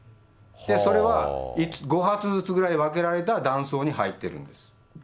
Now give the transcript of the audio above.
それは５発ずつぐらい分けられた弾倉に入ってるんです。